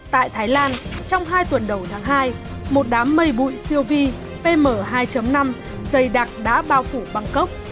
tại thái lan trong hai tuần đầu tháng hai một đám mây bụi siêu vi pm hai năm dày đặc đã bao phủ bangkok